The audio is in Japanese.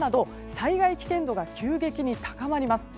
災害危険度が急激に高まります。